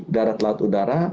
darat laut udara